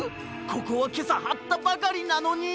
ここはけさはったばかりなのに！